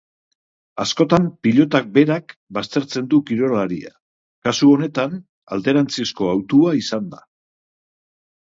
Askotan pilotak berak baztertzen du kirolaria, kasu honetan alderantzizko hautua izan da.